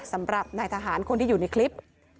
สำหรับนายทหารคนที่อยู่ในคลิป